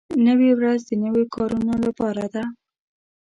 نوې ورځ د نویو کارونو لپاره ده